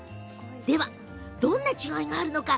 では、どんな違いがあるのか